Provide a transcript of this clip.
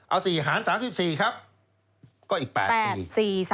เอา๔หาร๓๔ครับก็อีก๘ปี